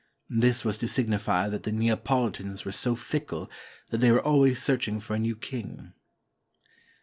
This was to signify that the Neapolitans were so fickle that they were always searching for a new king.